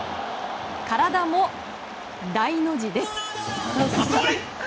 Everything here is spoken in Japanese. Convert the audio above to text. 体も大の字です。